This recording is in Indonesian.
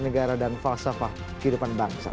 negara dan falsafah kehidupan bangsa